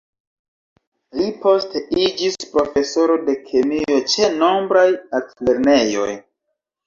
Li poste iĝis profesoro de kemio ĉe nombraj altlernejoj.